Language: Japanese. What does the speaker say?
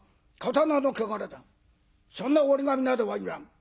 そんな折り紙などはいらん。